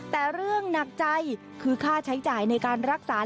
แต่เรื่องหนักใจคือค่าใช้จ่ายในการรักษา